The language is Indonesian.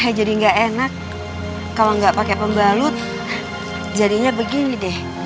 ya jadi gak enak kalo gak pake pembalut jadinya begini deh